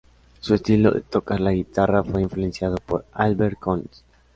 Su estilo de tocar la guitarra fue influenciado por Albert Collins.